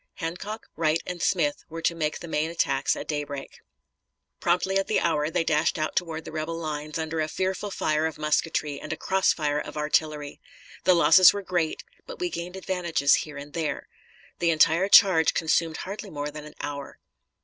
Hancock, Wright, and Smith were to make the main attacks at daybreak. Promptly at the hour they dashed out toward the rebel lines, under a fearful fire of musketry and a cross fire of artillery. The losses were great, but we gained advantages here and there. The entire charge consumed hardly more than an hour.